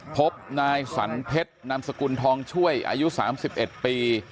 พบนายสันเทศนามสกุลทองช่วยอายุสามสิบเอ็ดปี